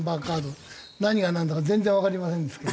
何がなんだか全然わかりませんですけども。